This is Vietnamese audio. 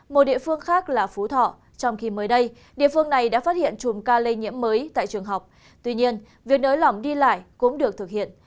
một địa phương khác là phú thọ trong khi mới đây địa phương này đã phát hiện chùm ca lây nhiễm mới tại trường học tuy nhiên việc nới lỏng đi lại cũng được thực hiện